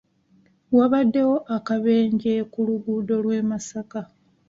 Waabaddewo akabenje ku luguudo lw'e Masaka.